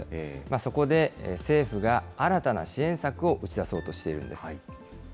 そこで政府が新たな支援策を打ち出そうとしているんです。